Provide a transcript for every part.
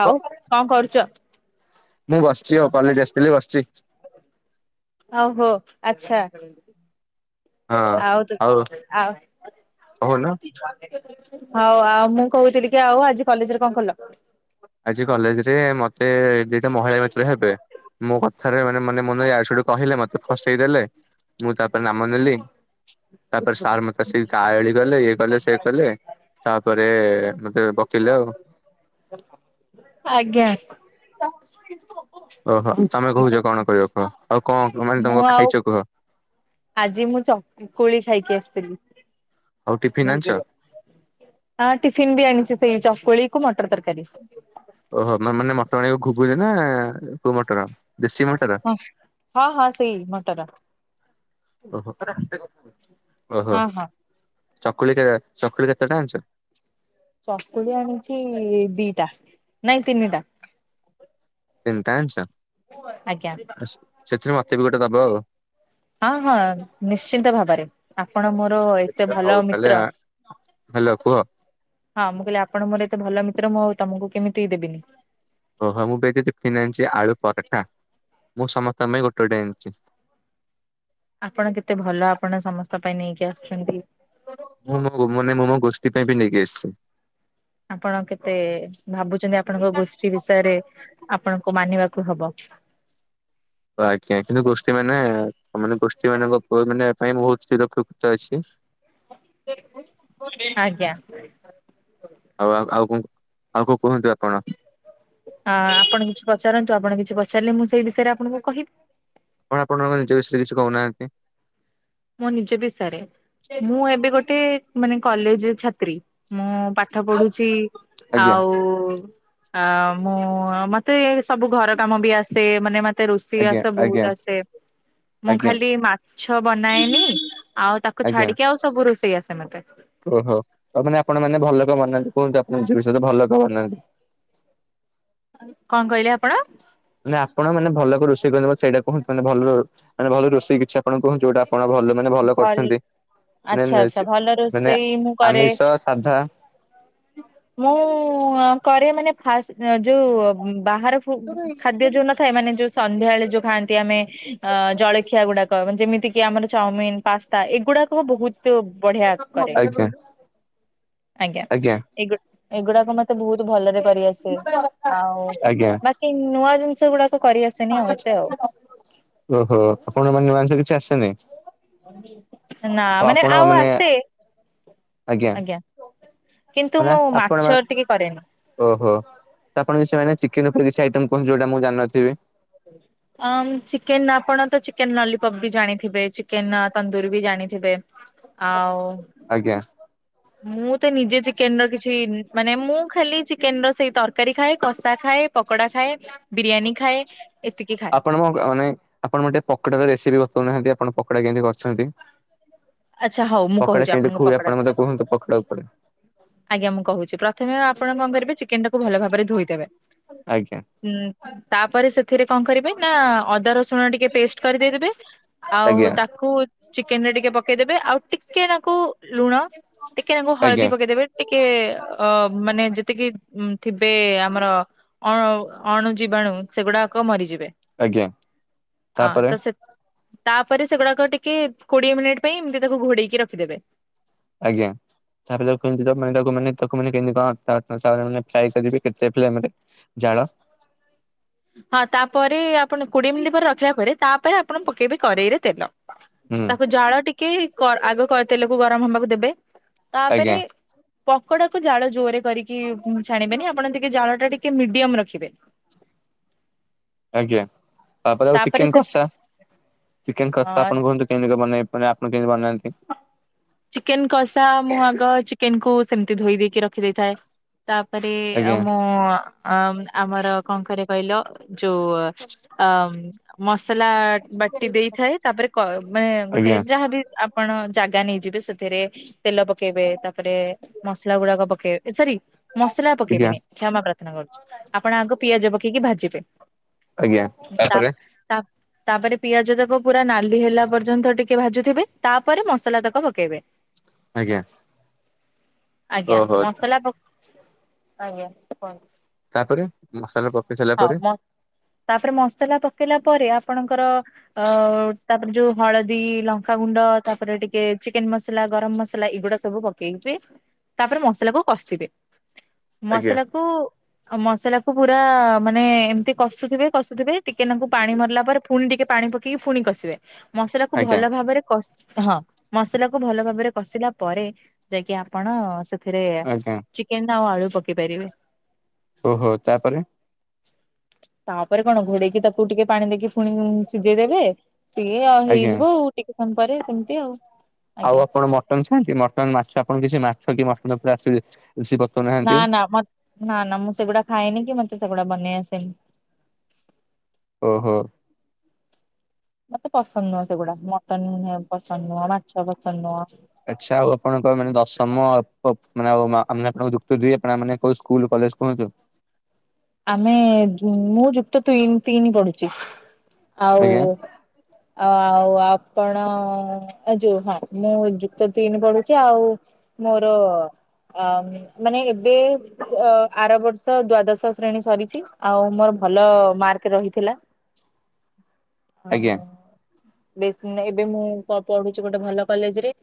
ଆଉ କଣ କରୁଚ? ମୁଁ ବସ୍ଚି ଆଉ, କଲେଜ୍ ଆସିଥିଲି ବସ୍ଚି। ଓହୋ ଆଚ୍ଛା। ଆଉ [unintelligible] ଆଉ କହୁନ ହଉ ଆଉ ମୁଁ କହୁଥିଲି କି ଆଉ ଆଜି କଲେଜ୍ ରେ କଣ କଲ? ଆଜି କଲେଜ୍ ରେ ମତେ ଦିଟା ମହିଳା ମିତ୍ର ହେବେ ମୋ କଥାରେ ମାନେ-ମାନେ ମୋ ନାଁରେ ଇଆଡୁ ସିଆଡୁ କହିଲେ ମତେ ଫସେଇ ଦେଲେ, ମୁଁ ତାପରେ ନାମ ନେଲି। ତାପରେ ସାର୍ ମତେ ଆସି ଗାଳି ଗଲେ, ଇଏ କଲେ ସିଏ କଲେ। ତାପରେ ମତେ [unintelligible] ଆଉ। ଆଜ୍ଞା। ଓହୋ ତମେ କହୁଛ କଣ କରିବ କୁହ? ଆଉ କଣ ମାନେ ମୁଁ ତମକୁ ଆଉ ଖାଇଛ କୁହ? ଆଜି ମୁଁ ଚକକୁଳି ଖାଇକି ଆସିଥିଲି। ଆଉ ଟିଫିନ ଆଣିଛ ହଁ ଟିଫିନ ବି ଆଣିଛି ସେଇ ଚକୁଳି କୁ ମଟର ତରକାରୀ। ଓହୋ ମ ମାନେ ମଟର ପାଣିକୁ ଘୁଗୁନି ନା କୋଉ ମଟର? ଦେଶୀ ମଟର ହ ହଁ ହଁ ସେଇ ମଟର। ଓହୋ ଓହୋ ହଁ ହଁ। ଚକୁଳି କେ ଚକୁଳି କେତେ ଟା ଆଣିଛ? ଚକୁଳି ଆଣିଛି ଦିଟା ନାଇଁ ତିନିଟା। ତିନିଟ ଆଣିଛ? ଆଜ୍ଞା। ବାସ୍ ସେଥିରୁ ମତେ ବି ଗୋଟେ ଦବ ଆଉ? ହଁ ହଁ ନିଶ୍ଚିନ୍ତ ଭାବରେ ଆପଣ ମୋର ଏତେ ଆଛା ଭଲ ହଉ ତାହେଲେ ଆ ମିତ୍ର। ହାଲୋ କୁହ। ହଁ ମୁଁ କହିଲି ଆପଣ ମୋର ଏତେ ଭଲ ମିତ୍ର, ମୁଁ ଆଉ ତମକୁ କେମିତି ଦେବିନି? ଓହୋ ମୁଁ ବି ଯଦି ଫନ୍ [unintelligible] ଆଣିଛି ଆଳୁ ପରଟା। ମୁଁ ସମସ୍ତଙ୍କ ପାଇଁ ଗୋଟେ ଗୋଟେ ଆଣିଛି। ଆପଣ କେତେ ଭଲ ଆପଣ ସମସ୍ତଙ୍କ ପାଇଁ ନେଇକି ଆସୁଛନ୍ତି। ମୁଁ ମୋ ମାନେ ମୁଁ ମୋ ଗୋଷ୍ଠୀ ପାଇଁ ବି ନେଇକି ଆସିଛି। ଆପଣ କେତେ ଭାବୁଛନ୍ତି ଆପଣଙ୍କ ଗୋଷ୍ଠୀ ବିଷୟରେ ଆପଣଙ୍କୁ ମାନିବାକୁ ହବ। ଆଜ୍ଞା। କିନ୍ତୁ ଗୋଷ୍ଠୀ ମାନେ ତାମାନେ ଗୋଷ୍ଠୀ ମାନଙ୍କ ମାନେ ପାଇଁ ବହୁତ ଚିରୋପକୃତ ଅଛି। ଆଜ୍ଞା। ଆଉ ଆଉ ଆଉ କଣ ଆଉ କୋଉ କୁହନ୍ତୁ ଆପଣ? ହଁ ଆପଣ କିଛି ପଚାରନ୍ତୁ ଆପଣ କିଛି ପଚାରିଲେ ମୁଁ ସେଇ ବିଷୟରେ ଆପଣଙ୍କୁ କହିବି। କଣ ଆପଣଙ୍କ ନିଜ ବିଷୟରେ କିଛି କହୁନାହାନ୍ତି? ମୋ ନିଜ ବିଷୟରେ। ମୁଁ ଏବେ ଗୋଟେ ମାନେ କଲେଜ ଛାତ୍ରୀ। ମୋ ପାଠ ପଢୁଛି। ଆଜ୍ଞା ଆଉ ଅ ମୁଁ ମତେ ସବୁ ଘର କାମ ବି ଆସେ। ମାନେ ମ ତେ ରୋଷେଇ ଆଜ୍ଞା ବାସ ବୋହୁତ ଆଜ୍ଞା ଆସେ। ମୁଁ ଆଜ୍ଞା ଖାଲି ମାଛ ବନେ ନାଏନି। ଆଉ ତାକୁ ଆଜ୍ଞା ଛାଡିକି ଆଉ ସବୁ ରୋଷେଇ ଆସେ ମତେ। ଓହୋ ଆଉ ମାନେ ଆପଣ ମାନେ ଭଲ କଣ ବନାନ୍ତି କୁହନ୍ତୁ ଆପଣ ନିଜ ବିଷୟରେ ଭଲ କଣ ବନାନ୍ତି? କଣ କହିଲେ ଆପଣ? ମାନେ ଆପଣ ମାନେ ଭଲ ରୋଷେଇ କରେ ସେଇଟାୁହନ୍ତୁ। ମାନେ ଭଲ ମାନେ ଭଲ ରୋଷେଇ କିଛି ଆପଣ କୁହନ୍ତୁ? ଯୋଉଟା ଆପଣ ଭଲ ମାନେ ଭଲ କରୁଛନ୍ତି। ଆଚ୍ଛା ମାନେ ଆଚ୍ଛା ଭଲ ମାନେ ରୋଷେଇ ମୁଁ କରେ। ଆମିଷ ସାଧା। ମୁଁ କରେ ମାନେ ଫାସ ଯୋଉ ବାହାର ଖାଦ୍ୟ ଯୋଉ ନଥାଏ ମାନେ ଯୋଉ ସନ୍ଧ୍ୟାବେଳେ ଯୋଉ ଖାଆନ୍ତି ଆମେ? ଅ ଜଳଖିଆ ଗୁଡାକ। ମ ଯେମିତି କିି ଆମର ଚାଉମିିନ ପାସ୍ତା ଏଇଗୁଡାକ ମୁଁ ବୋହୁତ ବଢିଆ କରେ। ଆଜ୍ଞା ଆଜ୍ଞା। ଏଇ ଗୋ ଏଗୁଡାକ ମତେ ବୋହୁତ ଭଲରେ କରିଆସେ। ଆଉ ଆଜ୍ଞା ବାକି ନୂଆ ଜିନ ନିଷ ଗୁଡାକ କରି ଆସେନି ଆଉ ଏତେ ଆଉ। ଓହୋ। ଆପଣ ମାନ ମାଂସ [unintelligible] କିଛି ଆସେ ନି? ନା ମାନେ ଆଉ ଆସେ। ଆଜ୍ଞା। କିନ୍ତୁ ମାନେ ମୁଁ ଆପଣ ମା ମାଛ ଟିକେ କରେନି। ଓହୋ। ତ ଆପଣ [unintelligible] ସେମାନେ ଚିକେନ ଉପରେ କିଛି ଆଇଟମ୍ କୁହନ୍ତୁ ଯୋଉଟା ମୁଁ ଜାଣିନଥିବି। ହୁ ଆମ୍ ଚିକେନ ଆପଣ ତ ଚିକେନ ଲଲିପପ୍ ବି ଜାଣିଥିବେ। ଚିକେନ ତନ୍ଦୁରୀ ବି ଜାଣିଥିବେ। ଆଉ ଆଜ୍ଞା। ମୁଁ ତ ନିଜେ ଚିକେନ ର କିଛି ମାନେ ମୁଁ ଖାଲି ଚିକେନ ର ସେଇ ତର ତରକାରୀ ଖାଏ କଷା ଖାଏ ପକୋଡା ଖାଏ ବିରିୟାନୀ ଖାଏ ଏତିକି ଖାଏ। ନମକ ମାନେ ଆପଣ ଗୋଟେ ପକୋଡା ର ରେସିପି ବତଉନାହାନ୍ତି ଆପଣ ପକଡା କେମିତି କରୁଛନ୍ତି? ଆଚ୍ଛା ହଉ ମୁଁ ପକଡା କହୁଛି କେମିତି ଆପଣଙ୍କୁ ଖୁଏ ପକୋଡା ଆପଣ ମତେ କୁହନ୍ତୁ ପକଡ ଉପରେ। ଆଜ୍ଞା ମୁଁ କହୁଛି ପ୍ରଥମେ ଆପଣ କଣ କରିବେ ଚିକେନ ଟାକୁ ଭଲ ଭାବରେ ଧୋଇଦେବେ। ଆଜ୍ଞା। ହୁଁ ତାପରେ ସେଥିରେ କଣ କରିବେ ନା ଅଦ ରସ ଶୁଣ ଟିକେ ପେଷ୍ଟ କରିକି ଦେଇଦେବେ। ଶୁ ଆଜ୍ଞା। ତାକୁ ଚିକେନ ରେ ଟିକେ ପ ପକେଇଦେବେ ଆଉ ଟିକେ ନାଙ୍କୁ ଲୁଣ ଟିକେ ନାଙ୍କୁ ହଳଦୀ ଆଜ୍ଞା ପକେଇଦେବେ। ଟିକେ ଅ ମାନେ ଯେତିକି ଥିବେ ଆମର ଅ ଅଣୁ ଜୀବାଣୁ ସେଗୁଡାକ ମରିଯିବେ। ଆଜ୍ଞା ଅଁ ତାପରେ ତ ସେ ତାପରେ ସେଗୁଡାକ ଟିକେ କୋଡିଏ ମିନିଟ୍ ପାଇଁ ଏମିତି ତାକୁ ଘୋଡେଇକି ରଖିଦେବେ। ଆଜ୍ଞା। ତା ତାକୁ କେତି୍ର [unintelligible] ଜାଳ ହଁ ତାପରେ ଆପଣ କୋଡିଏ ମିନିଟ୍ ପରେ ରଖିଲା ପରେ ତାପରେ ଆପଣ ପକେଇବେ କରେଇରେ ତେଲ। ହୁଁ। ତାକୁ ଜାଳ ଟିକେ କର ଆଗ କ ତେଲକୁ ଗରମ ହବାକୁ ଦେବେ ତାପରେ ଆଜ୍ଞା ପକଡାକୁ ଜାଳ ଜୋରରେ କରିକି ଛାଣିବେନି ଆପଣ ଟିକେ ଜାଳ ଟା ଟିକେ ମିଡିୟମ ରଖିବେ। ଆଜ୍ଞା ତାପରେ ଆଉ ଚିକେନ କଷା ଚିକେନ କଷା ଅ ଆପଣ କୁହନ୍ତୁ କେମତି କଣ ବନେଇବେ? ଫୁଣି ଆପଣ କେମିତି ବନାନ୍ତି? ଚିକେନ କସା ମୁଁ ଆଗ ଚିକେନକୁୁ ସେମିତି ଧୋଇ ଦେଇକି ରଖି ଦେଇଥାଏ। ତାପରେ ଅ ଆଜ୍ଞା ମୁଁ ଅ ଆମର କଣ କରେ କହିଲ ଯୋଉ ଅ ମସଲା ବାଟି ଦେଇଥାଏ ତାପରେ କ ମାନେ ଗୋଟେ ଆଜ୍ଞା ଯାହାବି ଆପଣ ଜାଗା ନେଇଯିବେ ସେଥିରେ ତେଲ ପ ପକେଇବେ ତାପରେ ମସଲା ଗୁଡାକ ପକେଇବେ ସରି ମସଲା ଆଜ୍ଞା ପକେଇବେନି। କ୍ଷମା ପ୍ରାର୍ଥନା କରୁଛୁ ଆପଣ ଆଗ ପିଆଜ ପକେଇକି ଭାଜିବେ ଆଜ୍ଞା ତା ତାପରେ ତା ତାପରେ ପିଆଜ ତକ ପୁରା ନାଲି ହେଲା ପର୍ଯ୍ୟନ୍ତ ଟିକେ ଭାଜୁଥିବେ ତାପରେ ମସଲା ତକ ପକେଇବେ। ଆଜ୍ଞା। ଆଜ୍ଞା ଓହୋ ମସଲା ପ ଆଜ୍ଞା କୁହନ୍ତୁ? ତାପରେ ମସଲା ପକେଇ ସାରିଲା ହଁ ପରେ। ମ ତାପରେ ମସଲା ପକେଇଲା ପରେ ଆପଣଙ୍କର ଅ ତାପରେ ଯୋଉ ହଳଦୀ ଲଙ୍କାଗୁଣ୍ଡ ତାପରେ ଟିକେ ଚିକେନ ମସଲା ଗରମ ମସଲା ଏଇଗୁଡାକ ସବୁ ପକେଇବେ ତାପରେ ମସଲା କୁ କଷିବେ ଆଜ୍ଞା ମସଲା କୁ ମସଲା କୁ ପୁରା ମାନେ ଏମତି କଷୁଥିବେ କଷୁଥିବେ ଟିକେ ତାଙ୍କୁ ପାଣି ମରିଲା ପରେ ପୁଣି ଟିକେ ପାଣି ପକେଇକି ପୁଣି କସିବେ। ମସଲା କୁ ଆଜ୍ଞା ଭଲ ଭାବରେ କଶି ହଁ। ମସଲା କୁ ଭଲ ଭାବରେ କଷିଲା ପରେ ଯାଇକି ଆପଣ ସେଥିରେ ଆଜ୍ଞା ଚିକେନ ଆଉ ଆଳୁ ପକେଇ ପାରିବେ। ଓହୋ ତାପରେ ତାପରେ କଣ ଘୋଡେଇକି ତାକୁ ଟିକେ ପାଣି ଦେଇକି ଫୁଣି ସିଝେଇ ଦେବେ ଟିକେ ଆଉ ଆଜ୍ଞା ହେଇଯିବ ଆଉ ଟିକେ ସମ ପରେ ସେମତି ଆଉ ଆଜ୍ଞା। ମଟନ୍ ଛଆନ୍ତି ମଟନ୍ ମାଛ ଆପଣ କିଛି ମାଛ କି ମଟନ୍ ଉପରେ ଆସିଚି। କିସି ପର୍ତନା ନା ନା ମତ୍ ନା ନା ମୁଁ ସେଗୁଡ଼ା ଖାଏନି କି ମତେ ସେଗୁଡ଼ା ବନେଇ ଆସେନି। ଓହୋ। ମତେ ପସନ୍ଦ ନୁହଁ ସେଗୁଡ଼ା ମଟନ ପସନ୍ଦ ନୁହଁ ମାଛ ପସନ୍ଦ ନୁହଁ ଆଚ୍ଛା ଆଉ ଆପଣଙ୍କ ମାନେ ଦଶମ ପ ମାନେ ଆଉ ମା ଆମେ ଆପଣଙ୍କୁ ଯୁକ୍ତ ଦୁଇ ଆପଣ ମାନେ କୋଉ ସ୍କୁଲ କଲେଜ କୁହନ୍ତୁ? ଆମେ ଯୁ ମୁଁ ଯୁକ୍ତ ତୁଇନ ତିନି ପଢ଼ୁଛି ଆଉ ଆଜ୍ଞା ଆଉ ଆପଣ ଆ ଯୋଉ ହଁ ମୁଁ ଯୁକ୍ତ ତିନି ପଢ଼ୁଛି ଆଉ ମୋର ଅ ମାନେ ଏବେ ଅ ଆର ବର୍ଷ ଦ୍ଵାଦଶ ଶ୍ରେଣୀ ସରିଛି ଆଉ ମୋର ଭଲ ମାର୍କ ରହିଥିଲା ହଁ ଆଜ୍ଞା ବେ ଏବେ ମୁଁ ପ ପଢ଼ୁଛି ଗୋଟେ ଭଲ କଲେଜରେ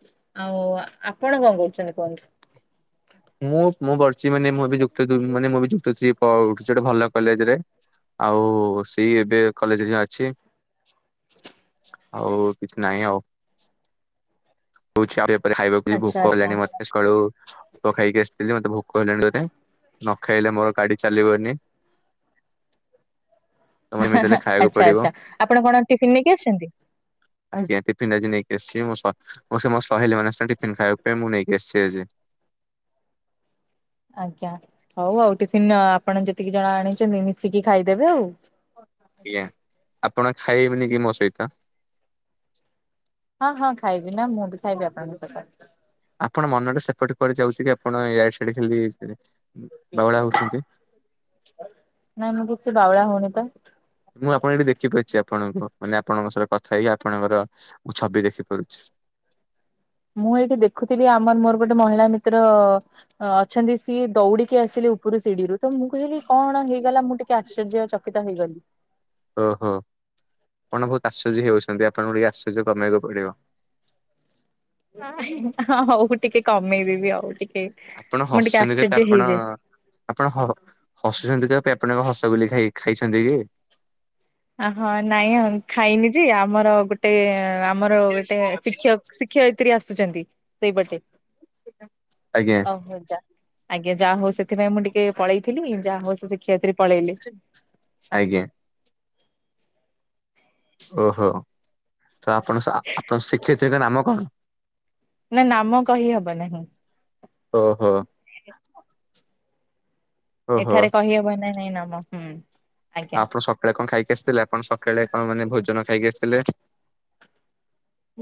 ଆଉ ଆପଣ କଣ କରୁଛନ୍ତି କୁହନ୍ତୁ? ମୁଁ ମୁଁ ପଢ଼ୁଛି ମାନେ ମୁଁ ବି ଯୁକ୍ତ ତିନ ମାନେ ମୁଁ ବି ଯୁକ୍ତ ଥ୍ରୀ ପଢ଼ୁଛି ଗୋଟେ ଭଲ କଲେଜରେ ଆଉ ସେଇ ଏବେ କଲେଜରେ ହିଁ ଅଛି ଆଉ କିଛି ନାହିଁ ଆଉ ହଉଛି ଉପରେ ହାଇବାକୁ ଯିବି ଆଚ୍ଛା ଭୋକ ଆଚ୍ଛା ହେଲାଣି ମ ସକାଳୁ ପୋକ ଖାଇକି ଆସିଥିଲି ମତେ ଭୋକ ହେଲାଣି ଜୋରେ ନ ଖାଇଲେ ମୋର ଗାଡ଼ି ଚାଲିବନି ତମେ ଏମିତି ହାଁ ହେଲେ ହାଁ ଖାଇବାକୁ ଆଚ୍ଛା ପଡିବ ଆଚ୍ଛା ଆପଣ କଣ ଟିଫିନ୍ ନେଇକି ଆସିଛନ୍ତି? ଆଜ୍ଞା ଟିଫିିନ ଆଜି ନେଇକି ଆସିଛି ମୁଁ ସ ମୋ ସ ମୋ ସହେଲି ମାନଙ୍କ ସାଙ୍ଗରେ ଟିଫିନ୍ ଖାଇବା ପାଇଁ ମୁଁ ନେଇକି ଆସିଛି ଆଜି। ଆଜ୍ଞା ହଉ ଆଉ ଟିଫିନ ଆପଣ ଯେତିକି ଜଣ ଆଣିଛନ୍ତି ମିଶିକି ଖାଇଦେବେ ଆଉ। ଆଜ୍ଞା ଆପଣ ଖାଇବେନି କି ମୋ ସହିତ? ହଁ ହଁ ଖାଇବି ନା ମୁଁ ବି ଖାଇବି ଆପଣଙ୍କ ସହିତ। ଆପଣ ମନ ଟା ସେପଟେ କୁଆଡ଼େ ଯାଉଛି କି ଆପଣ ଇଆଡ଼େ ସିଆଡ଼େ ଖାଲି ବାଉଳା ହଉଛନ୍ତି। ନାାଇଁ ମୁ କିଛି ବାଉଳ ହଉନି ତ ମୁଁ ଆପଣ ଏଠି ଦେଖିପାରୁଛି ଆପଣଙ୍କୁ ମାନେ ଆପଣଙ୍କ ସହିତ କଥା ହେଇକି ଆପଣଙ୍କର ମୁଁ ଛବି ଦେଖି ପାରୁଛି ମୁଁ ଏଇଠି ଦେଖୁଥିଲି ଆମର ମୋର ଗୋଟେ ମହିଳା ମିତ୍ର ଅ ଅଛନ୍ତି ସିଏ ଦୌଡ଼ିକି ଆସିଲେ ଉପରୁ ସିଡ଼ିରୁ ତ ମୁଁ କହିଲି କଣ ହେଇଗଲା ମୁଁ ଟି କେ ଆଶ୍ଚର୍ଯ୍ୟ ଚକିତ ହେଇଗଲି ଓହୋ କପଣ ବହୁତ ଆଶ୍ଚର୍ଯ୍ୟ ହେଇଯାଉଛନ୍ତି ଆପଣଙ୍କୁ ଟିକେ ଆଶ୍ଚର୍ଯ୍ୟ କମେଇବାକୁ ପଡ଼ିବ। ହଁ ହଉ ଟିକେ କମେଇଦେବି ଆଉ ଟିକେ ଆପଣ ମୁଁ ଟିକେ ହଶୁଛନ୍ତି କେ ତ ଆଶ୍ଚର୍ଯ୍ୟ ଆପଣ ହେଇଯାଏ। ଆପଣ ହ ହସୁଛନ୍ତି କାହା ପାଇଁ ଆପଣ କଣ ହସ ଗୁଲି ଖାଇ ଖାଇଛନ୍ତି କି? ଆ ହଁ ନାଇଁଁ ହଁ ଖାଇନି ଯେ ଆମର ଗୋଟେ ଆମର ଗୋଟେ ଶିକ୍ଷ ଶିକ୍ଷୟିତ୍ରୀ ଆସୁଛନ୍ତି ସେଇପଟେ ଆଜ୍ଞା। ଓ ହଉ ଯା ଆଜ୍ଞା ଯାହା ହଉ ସେଥିପାଇଁ ମୁଁ ଟିକେ ପଳେଇଥିଲି ଯାହା ହଉ ସେ ସେ ଆଜ୍ଞା। ଓହୋ ତ ଆପଣ ଆପଣ ଶିକ୍ଷୟିତ୍ରୀଙ୍କ ନାମ କଣ? ନା ନାମ କହି ହବ ନାହିଁ ଓହୋ। ଓହୋ ଏଠାରେ କହିହବ ନାହିଁ ନାମ ହୁଁ। ଆଜ୍ଞା ଆଉ ଆପଣ ସକାଳେ କଣ ଖାଇକି ଆସିଥିଲେ ଆପଣ ସକାଳେ କଣ ମାନେ ଭୋଜନ ଖାଇକି ଆସିଥିଲେ?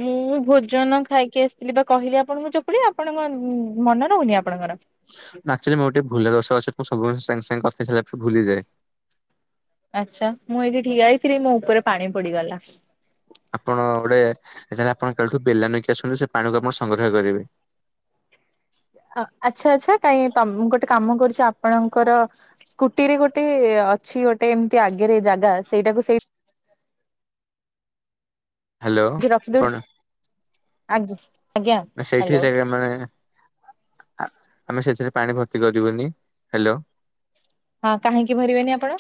ମୁଁ ଭୋଜନ ଖାଇକି ଆସିଥିଲି ବା କହିଲି ଆପଣଙ୍କୁ ଚକୁଳି ଆପଣଙ୍କ ମନେ ରହୁନି ଆପଣଙ୍କର? ଆକ୍ଟୁଆଲି ମୋର ଟିକେ ଭୁଲିଆ ଦୋଷ ଅଛି ମୁଁ ସବୁ ବେଳେ ସାଙ୍ଗ ସାଙ୍ଗେ ଗପି ସାରିଲା ପରେ ଭୁଲିଯାଏ। ଆଚ୍ଛା ମୁଁ ଏଇଠି ଠିଆ ହେଇଥିଲି ମୋ ଉପରେ ପାଣି ପଡ଼ିଗଲା। ଆପଣ ଗୋଟେ ଏଥର ଆପଣ କାଲିଠୁ ବେଲା ନେଇକି ଆସନ୍ତୁ ସେ ପାଣିକୁ ଆପଣ ସଂଗ୍ରହ କରିବେ। ଆଚ୍ଛା ଆଚ୍ଛା କାଇଁ ତ ମୁ ଗୋଟେ କାମ କରୁଚି ଆପଣଙ୍କର କୁଟି ରେ ଗୋଟେ ଅଛି ଗୋଟେ ଏମିତି ଆଗରେ ଜାଗା ସେଇଟାକୁ ସେଇ ହ୍ୟାଲୋ ରଖିଦଉ ଆପଣ ଆଜ୍ଞା। ଆଜ୍ଞା ହ୍ୟାଲୋ ସେଇଠିରେ ମାନେ ଆମେ ସେଥିରେ ପାଣି ଭର୍ତ୍ତି କରିବୁନି। ହେଲୋ। ହଁ କାହିଁକି ଭରିବେନି ଆପଣ?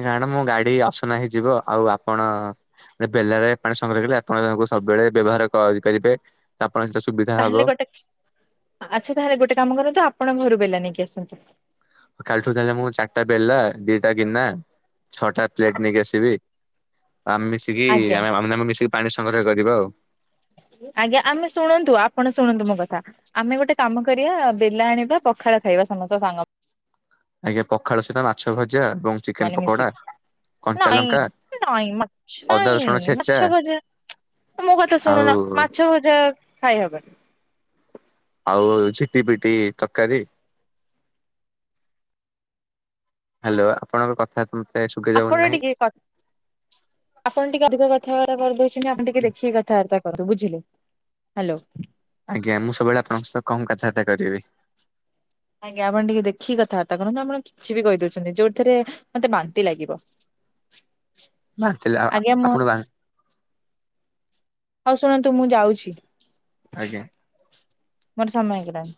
ନା ନା ମୋ ଗାଡି ଅସନା ହେଇଯିବ ଆଉ ଆପଣ ଗୋଟେ ବେଲାରେ ପାଣି ସଂଗ୍ରହ କରି ଆପଣ ତାଙ୍କୁ ସବୁବେଳେ ବ୍ୟବହାର କରିପାରିବେ। ଆପଣ ସେ ସୁବିଧା ହବ ତାହେଲେ ଗୋଟେ ଆଚ୍ଛା ତାହେଲେ ଗୋଟେ କାମ କରନ୍ତୁ ଆପଣଙ୍କ ଘରୁ ବେଲା ନେଇକି ଆସନ୍ତୁ। କାଲିଠୁ ତାେଲେ ମୁଁ ଚାରିଟା ବେଲଲା ଦିଟା ଗିନା ଛଅଟା ପ୍ଲେଟ ନେଇକି ଆସିବି। ଆମେ ମିଶିକି ଆଜ୍ଞା ଆମେ ଆମେ ଆମେ ମିଶିକି ପାଣି ସଂଗ୍ରହ କରିବା ଆଉ। ଆଜ୍ଞା ଆମେ ଶୁଣନ୍ତୁ ଆପଣ ଶୁଣନ୍ତୁ ମୋ କଥା। ଆମେ ଗୋଟେ କାମ କରିବା ବେଲା ଆଣିବା ପଖାଳ ଖାଇବା ସମସ୍ତଙ୍କ ସାଙ୍ଗ ଆଜ୍ଞା ପଖାଳ ସହିତ ମାଛ ଭଜା ଏବଂ ମାନେ ଚିକେନ ପକୋଡା ମିଶିକି କଞ୍ଚା ନାଇଁ ଲଙ୍କା ନାଇଁ ମାଛ ଅଦା ନାଇଁ ରସୁଣ ଛେଚା ମଛ ଭଜା ମୋ କଥା ଆଉ ଶୁଣୁନ ମାଛ ଭଜା ଖାଇହବନି। ଆଉ ଝିଟି ପିଟି ତରକାରୀ ହ୍ୟାଲୋ ଆପଣଙ୍କ କଥା [unintelligible] ଯାଉନି ଆପଣ ନାହିଁ। ଟିକେ କ ଆପଣ ଟିକେ ଅଧିକ କ କଥାବାର୍ତ୍ତା କରିଦଉଚନ୍ତି ଆମେ ଟିକେ ଦେଖିକି କଥାବାର୍ତ୍ତା କରଦୁ ବୁଝିଲେ ହ୍ୟାଲୋ। ଆଜ୍ଞା ମୁଁ ସବୁବେଳେ ଆପଣଙ୍କ ସହିତ କମ୍ କଥାବାର୍ତା କରିବି। ଆଜ୍ଞା ଆପଣ ଟିକେ ଦେଖିକି କଥାବାର୍ତ୍ତା କରନ୍ତୁ। ଆପଣ କିଛି ବି କହି ଦଉଚନ୍ତି ଯୋଉଥିରେ ମତେ ବାନ୍ତି ଲାଗିବ। [inaudible] ବାନ୍ତିଲେ ଆ ଆ ଆଜ୍ଞା ମୋ ଆପଣ ବା ହଉ ଶୁଣନ୍ତୁ ମୁଁ ଯାଉଚି। ଆଜ୍ଞା। ମୋର ସମୟ ହେଇଗଲାଣି।